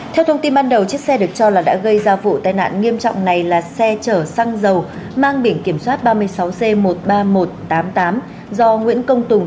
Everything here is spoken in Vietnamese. theo thông tin ban đầu chiếc xe được cho là đã gây ra vụ tai nạn nghiêm trọng này là xe chở xăng dầu mang biển kiểm soát ba mươi sáu c một mươi ba nghìn một trăm tám mươi tám do nguyễn công tùng